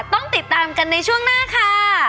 ต้องติดตามกันในช่วงหน้าค่ะ